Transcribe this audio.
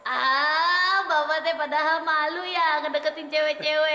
ah bapak deh padahal malu ya ngedeketin cewek cewek